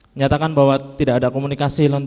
menyatakan bahwa tidak ada komunikasi